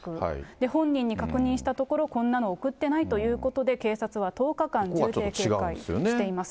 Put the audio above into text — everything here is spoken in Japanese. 本人に確認したところ、こんなの送ってないということで、警察は１０日間重点警戒しています。